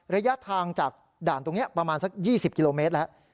ระยะทางจากด่านตรงนี้ประมาณสัก๒๐กิโลเมตรแล้ว